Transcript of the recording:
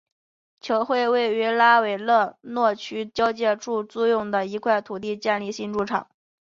球会于维拉勒若区交界处租用一块土地建立新主场。